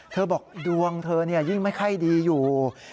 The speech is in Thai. เธอบอกดวงเธอนี่ยิ่งไม่ไข้ดีอยู่